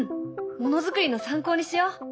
ものづくりの参考にしよう。